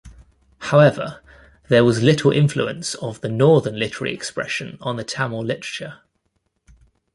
However, there was little influence of the northern literary expression on the Tamil literature.